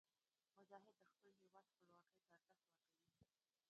مجاهد د خپل هېواد خپلواکۍ ته ارزښت ورکوي.